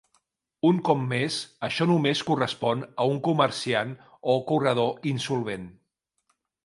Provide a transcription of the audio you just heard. Un cop més, això només correspon a un comerciant o corredor insolvent.